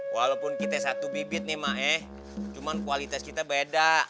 walaupun kita satu bibit nih emak ya cuman kualitas kita beda